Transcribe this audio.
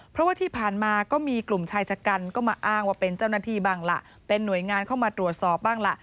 เพราะว่าที่ผ่านมาก็มีกลุ่มชายชะกันก็มาอ้างว่าเป็นเจ้าหน้าที่บ้างล่ะเป็นหน่วยงานเข้ามาตรวจสอบบ้างล่ะ